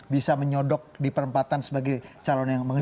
bisa menyodok di perempatan sebagai calon yang